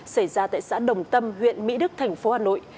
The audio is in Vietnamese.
xảy ra tại xã đồng tâm huyện mỹ đức thành phố hà nội